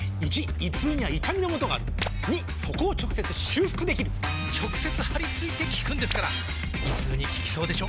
①胃痛には痛みのもとがある②そこを直接修復できる直接貼り付いて効くんですから胃痛に効きそうでしょ？